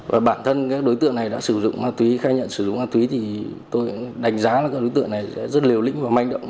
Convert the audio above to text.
và bản thân các đối tượng này đã sử dụng ma túy khai nhận sử dụng ma túy thì tôi đánh giá là các đối tượng này sẽ rất liều lĩnh và manh động